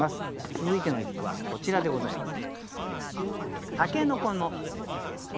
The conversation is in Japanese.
続いての一句はこちらでございます。